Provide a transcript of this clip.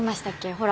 ほら